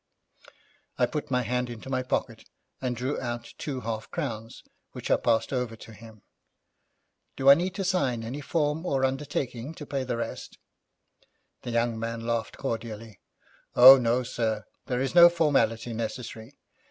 I put my hand into my pocket, and drew out two half crowns, which I passed over to him. 'Do I need to sign any form or undertaking to pay the rest?' The young man laughed cordially. 'Oh, no, sir, there is no formality necessary.